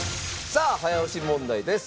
さあ早押し問題です。